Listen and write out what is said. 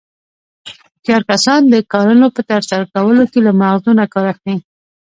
هوښیار کسان د کارنو په ترسره کولو کې له مغزو نه کار اخلي.